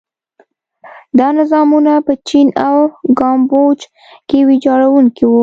دا نظامونه په چین او کامبوج کې ویجاړوونکي وو.